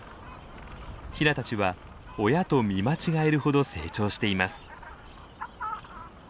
ヒナたちは親と見間違えるほど成長しています。